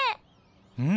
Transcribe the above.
うん。